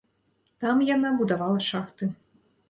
Там яна будавала шахты.